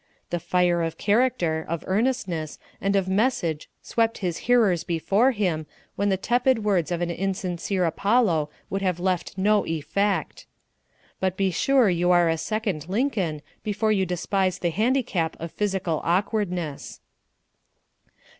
The fire of character, of earnestness, and of message swept his hearers before him when the tepid words of an insincere Apollo would have left no effect. But be sure you are a second Lincoln before you despise the handicap of physical awkwardness.